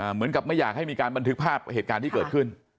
เหมือนกับไม่อยากให้มีการบันทึกภาพเหตุการณ์ที่เกิดขึ้น